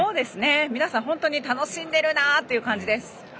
皆さん、本当に楽しんでいるなという感じです。